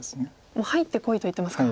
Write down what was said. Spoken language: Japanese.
「もう入ってこい」と言ってますか。